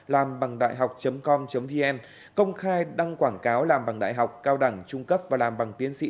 làmbằngđạihọc com vn công khai đăng quảng cáo làm bằng đại học cao đẳng trung cấp và làm bằng tiến sĩ